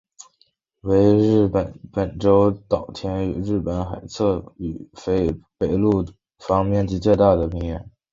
为日本本州岛日本海侧与北陆地方面积最大的平原。